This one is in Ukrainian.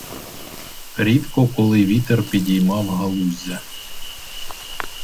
Рідко коли вітер підіймав галуззя.